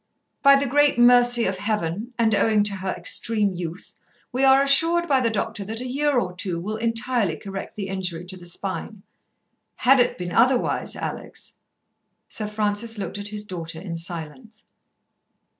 "By the great mercy of Heaven, and owing to her extreme youth, we are assured by the doctor that a year or two will entirely correct the injury to the spine. Had it been otherwise, Alex " Sir Francis looked at his daughter in silence.